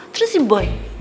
terus si boy